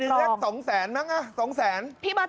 ปีนึงเรียก๒๐๐๐๐๐บาทมิตรอีก๒๐๐๐๐๐บาท